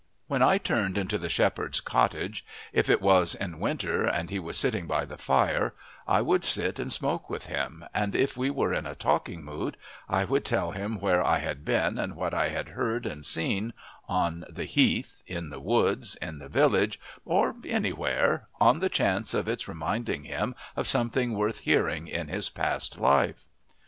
When I turned into the shepherd's cottage, if it was in winter and he was sitting by the fire, I would sit and smoke with him, and if we were in a talking mood I would tell him where I had been and what I had heard and seen, on the heath, in the woods, in the village, or anywhere, on the chance of its reminding him of something worth hearing in his past life.